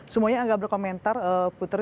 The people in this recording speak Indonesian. semuanya agak berkomentar putri